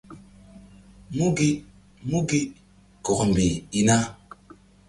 Mú gi! Mú gi! Kɔkmbih i na.